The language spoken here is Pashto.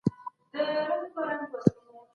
ایا قانون د احتکار کوونکو لپاره سزا لري؟